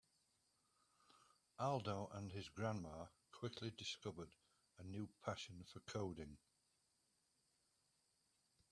Aldo and his grandma quickly discovered a new passion for coding.